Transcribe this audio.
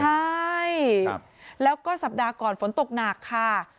ใช่แล้วก็สัปดาห์ก่อนฝนตกหนักค่ะ